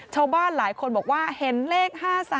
ชาวบ้านหลายคนบอกว่าเห็นเลข๕๓